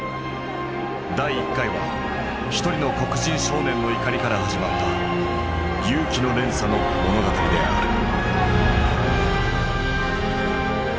第１回は一人の黒人少年の怒りから始まった勇気の連鎖の物語である。